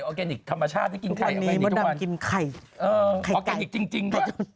อือออร์แกนิคจริงก็อื้ออื้อออร์แกนิคจริง